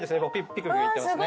ピクピクいってますね。